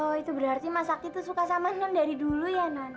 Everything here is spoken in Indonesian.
oh itu berarti mas sakti tuh suka sama non dari dulu ya non